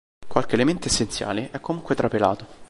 Qualche elemento essenziale è comunque trapelato.